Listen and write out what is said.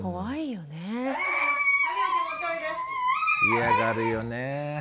嫌がるよねえ。